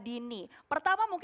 ini ada dua dua rusaknya